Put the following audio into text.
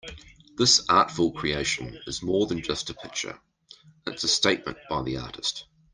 This artful creation is more than just a picture, it's a statement by the artist.